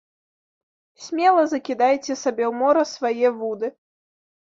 Смела закідайце сабе ў мора свае вуды.